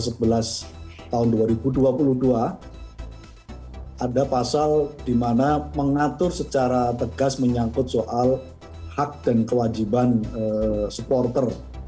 pasal sebelas tahun dua ribu dua puluh dua ada pasal di mana mengatur secara tegas menyangkut soal hak dan kewajiban supporter